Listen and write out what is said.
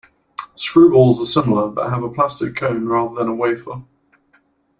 Screwballs are similar but have a plastic cone rather than a wafer.